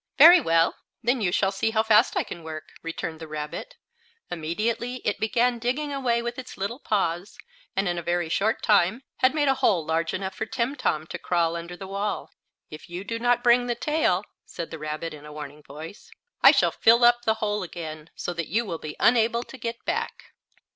"Very well; then you shall see how fast I can work," returned the rabbit. Immediately it began digging away with its little paws, and in a very short time had made a hole large enough for Timtom to crawl under the wall. "If you do not bring the tail," said the rabbit, in a warning voice, "I shall fill up the hole again, so that you will be unable to get back."